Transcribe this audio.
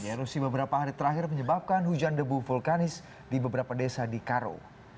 erupsi beberapa hari terakhir menyebabkan hujan debu vulkanis di beberapa desa di karo